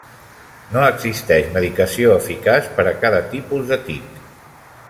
No existeix medicació eficaç per a cada tipus de tic.